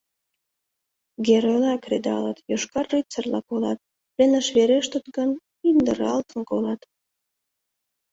Геройла кредалыт, йошкар рыцарьла колат, пленыш верештыт гын, индыралтын колат!